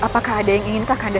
papa anda memintanya sendiri